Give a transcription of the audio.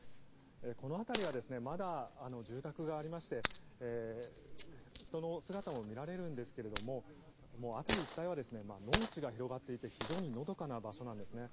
この辺りはまだ、住宅がありまして人の姿も見られるんですけれども辺り一帯は、農地が広がっていて非常にのどかな場所なんですね。